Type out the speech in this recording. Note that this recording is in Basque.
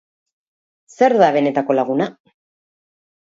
Zer da benetako laguna?